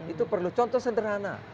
itu perlu contoh sederhana